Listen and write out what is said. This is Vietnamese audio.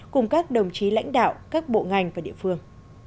cùng các đồng chí lãnh đạo các bộ ngành và địa phương